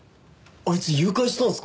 あいつ誘拐したんすか？